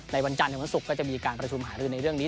วันจันทร์ถึงวันศุกร์ก็จะมีการประชุมหารือในเรื่องนี้